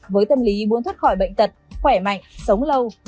với tâm lý muốn thoát khỏi bệnh tật khỏe mạnh sống lâu